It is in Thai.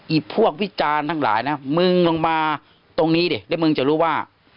พวกวิจารณ์ทั้งหลายนะมึงลงมาตรงนี้ดิเดี๋ยวมึงจะรู้ว่า